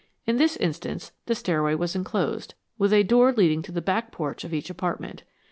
In this instance the stairway was enclosed, with a door leading to the back porch of each apartment.